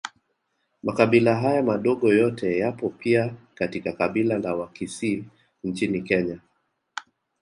Makabila haya madogo yote yapo pia katika kabila la Wakisii nchini Kenya